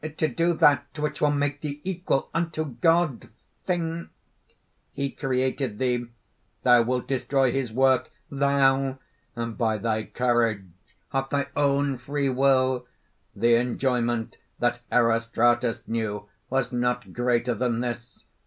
"To do that which will make thee equal unto God think! He created thee: thou wilt destroy his work thou! and by thy courage, of thy own free will! The enjoyment that Erostratus knew was not greater than this.